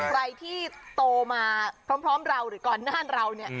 ใครที่โตมาพร้อมเราหรือก่อนหน้าเราเนี่ย